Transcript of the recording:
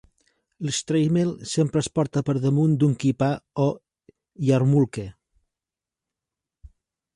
L'shtreimel sempre es porta per damunt d'un "kippah", o yarmulke.